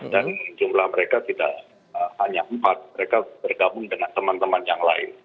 dan jumlah mereka tidak hanya empat mereka bergabung dengan teman teman yang lain